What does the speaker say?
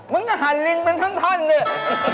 มึงหันลิงวันทั้งท่านเลย